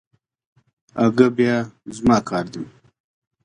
اگه بيا زما کار دی.